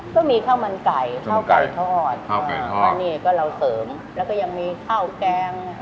ก็มีข้าวมันไก่ข้าวไก่ทอดอันนี้ก็เราเสริมแล้วก็ยังมีข้าวแกง